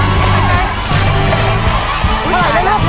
สวัสดีครับ